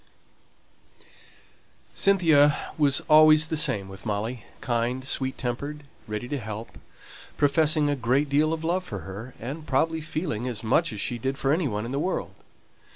Cynthia was always the same with Molly: kind, sweet tempered, ready to help, professing a great deal of love for her, and probably feeling as much as she did for any one in the world.